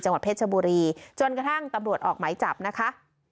จังหวัดเพชรชบุรีจนกระทั่งตำรวจออกไหมจับนะคะ